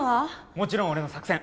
もちろん俺の作戦。